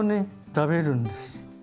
食べるんです。